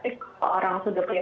jadi relatif orang sudah punya